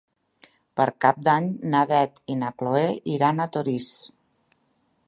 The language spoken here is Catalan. Per Cap d'Any na Beth i na Chloé iran a Torís.